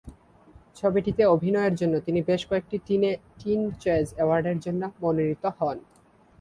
ছবিটিতে অভিনয়ের জন্য তিনি বেশ কয়েকটি টিন চয়েজ অ্যাওয়ার্ডের জন্য মনোনীত হন।